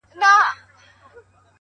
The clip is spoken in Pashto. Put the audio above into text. د انسان ارزښت په ګټه رسولو اندازه کېږي؛